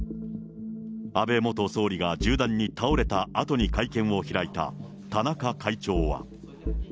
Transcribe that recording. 安倍元総理が銃弾に倒れたあとに会見を開いた田中会長は。